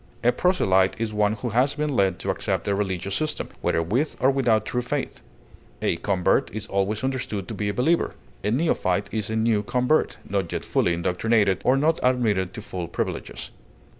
A proselyte is one who has been led to accept a religious system, whether with or without true faith; a convert is always understood to be a believer. A neophyte is a new convert, not yet fully indoctrinated, or not admitted to full privileges.